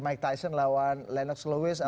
mike tyson lawan lennox lewis ya